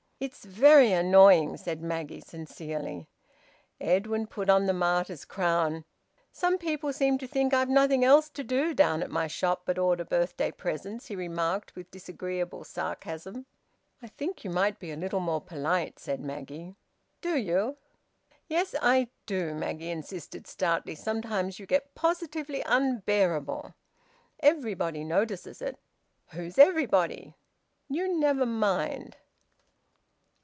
"It's very annoying!" said Maggie sincerely. Edwin put on the martyr's crown. "Some people seem to think I've nothing else to do down at my shop but order birthday presents," he remarked with disagreeable sarcasm. "I think you might be a little more polite," said Maggie. "Do you!" "Yes; I do!" Maggie insisted stoutly. "Sometimes you get positively unbearable. Everybody notices it." "Who's everybody?" "You never mind!"